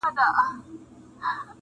په زرګونو یې تر خاورو کړله لاندي.!